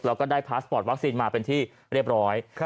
แล้วก็ได้พาสปอร์ตวัคซีนมาเป็นที่เรียบร้อย